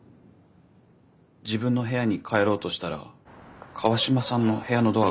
自分の部屋に帰ろうとしたら川島さんの部屋のドアが半分開いてて。